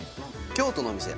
京都のお店